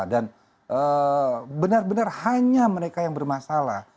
dan benar benar hanya mereka yang bermasalah